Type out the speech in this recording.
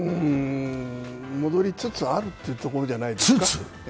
戻りつつあるっていうところじゃないですか。